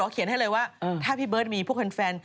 เขียนให้เลยว่าถ้าพี่เบิร์ตมีพวกแฟน